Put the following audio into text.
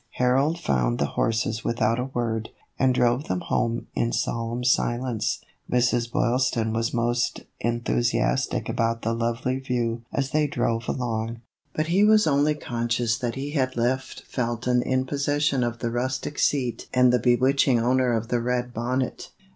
Harold found the horses without a word, and drove them home in solemn silence. Mrs. Boylston was most enthusiastic about the lovely view as they drove along, but he was only conscious that he had left Felton in possession of the rustic seat and the bewitching owner of the red bonnet.